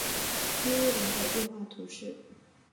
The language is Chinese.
伊乌人口变化图示